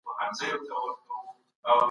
کمپيوټر فالوور زياتوي.